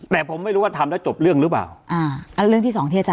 แต่ผมไม่รู้ว่าทำแล้วจบเรื่องหรือเปล่าอ่าอันเรื่องที่สองที่อาจาร